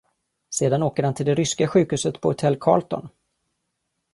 Sedan åker han till det ryska sjukhuset på Hotel Carlton.